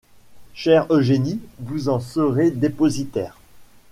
Chère Eugénie, vous en serez dépositaire.